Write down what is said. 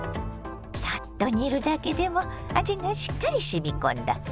サッと煮るだけでも味がしっかりしみ込んだ